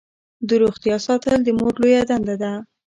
د روغتیا ساتل د مور لویه دنده ده.